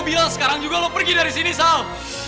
gue bilang sekarang juga lo pergi dari sini sal